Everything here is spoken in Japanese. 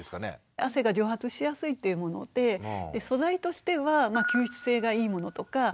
汗が蒸発しやすいっていうもので素材としては吸湿性がいいものとか。